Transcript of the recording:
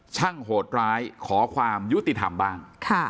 โหดร้ายขอความยุติธรรมบ้าง